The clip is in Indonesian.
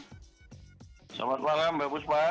selamat malam mbak buspa